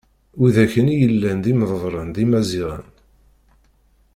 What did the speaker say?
widak-nni yellan d imḍebren d imaziɣen.